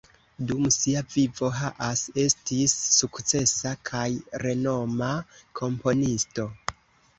Dum sia vivo Haas estis sukcesa kaj renoma komponisto.